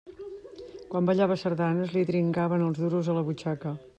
Quan ballava sardanes li dringaven els duros a la butxaca.